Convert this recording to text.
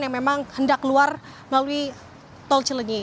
yang memang hendak keluar melalui tol cilenyi